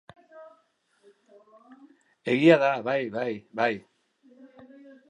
Egia da, bai, bai, bai.